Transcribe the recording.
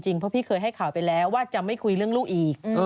เพราะพี่เคยให้ข่าวไปแล้วว่าจะไม่คุยเรื่องลูกอีก